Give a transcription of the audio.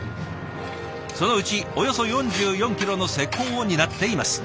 そのうちおよそ４４キロの施工を担っています。